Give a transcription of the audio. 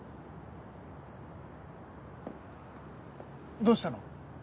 どうしたの？